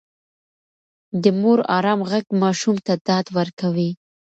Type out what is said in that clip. د مور ارام غږ ماشوم ته ډاډ ورکوي.